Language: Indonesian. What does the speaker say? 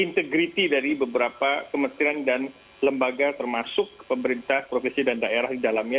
integriti dari beberapa kementerian dan lembaga termasuk pemerintah profesi dan daerah di dalamnya